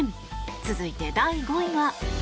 続いて、第５位は。